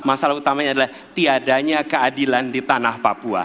masalah utamanya adalah tiadanya keadilan di tanah papua